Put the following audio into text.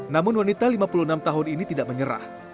namun wanita lima puluh enam tahun ini tidak menyerah